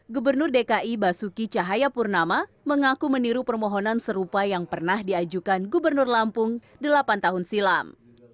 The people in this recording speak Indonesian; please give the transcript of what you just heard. gubernur dki basuki cahayapurnama mengaku meniru permohonan serupa yang pernah diajukan gubernur lampung delapan tahun silam